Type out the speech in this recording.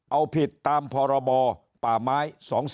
เอาผิดตามพรบป่าไม้๒๔